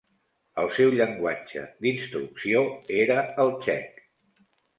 El seu llenguatge d'instrucció era el txec.